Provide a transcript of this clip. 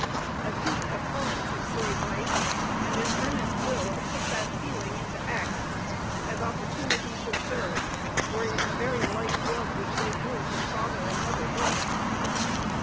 A deep abhorrence of slavery, and an earnest will to put that feeling into act, as opportunity should serve, were in the very life blood which they drew from father and mother both.